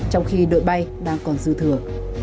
trong khi đội bay đang còn dư thừa